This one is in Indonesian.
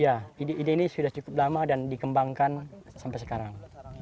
ya ide ini sudah cukup lama dan dikembangkan sampai sekarang